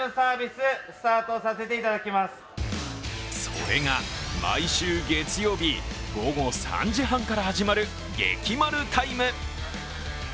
それが毎週月曜日、午後３時半から始まる激マルタイム。